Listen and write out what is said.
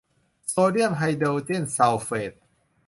โซเดียมไฮโดรเจนซัลเฟต